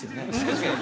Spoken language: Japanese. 確かに。